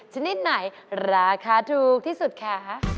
ชนิดไหนราคาถูกที่สุดคะ